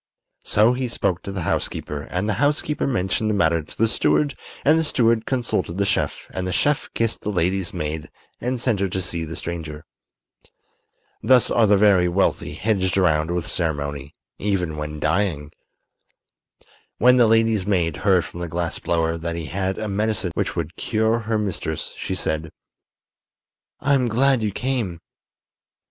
So he spoke to the housekeeper and the housekeeper mentioned the matter to the steward and the steward consulted the chef and the chef kissed the lady's maid and sent her to see the stranger. Thus are the very wealthy hedged around with ceremony, even when dying. When the lady's maid heard from the glass blower that he had a medicine which would cure her mistress, she said: "I'm glad you came."